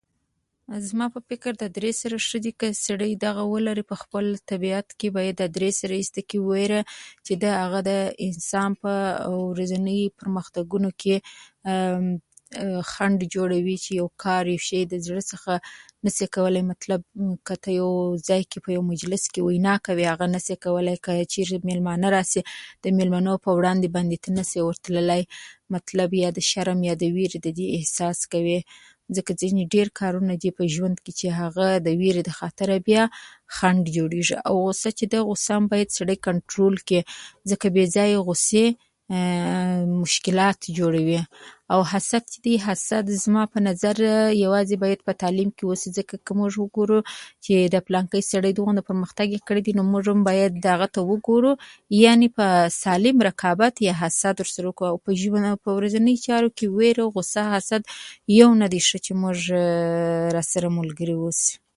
زما په فکر دا درې سره ښه دي. که سړی دغه ولري، په خپل طبیعت کې باید دا درې سره ایسته کړي. وېره چې دا هغه ده، انسان په ورځیني پرمختګونو کې خنډ جوړوي، چې یو کار یې [unintelligible] یې د زړه څخه نشي کولای. مطلب که ته په یو ځای مجلس کې وینا کوې، هغه نشې کولای. که چېرې مېلمانه راشي، د مېلمنو په وړاندې ته باندې نشې ورتللی. مطلب یا د شرم یا د وېرې احساس کوې، ځکه ځینې ډېر کارونه دي په ژوند کې چې هغه د وېرې له خاطره بیا خنډ جوړېږي. او غوسه چې ده، غوسه هم باید سړی کنټرول کړي، ځکه بې ځایه غوسې مشکلات جوړوي. او حسد یې دی، زما په نظر یوازې باید تعلیم کې وشي. که موږ وګورو چې د پلاني سړي دومره پرمختګ یې کړی دی، نو موږ هم باید هغه ته وګورو. یعنې په سالم رقابت حسد ورسره وکړو. او ورځینیو چارو کې وېره او غوسه، حسد یو هم نه دی ښه چې موږ ورسره ملګري واوسي.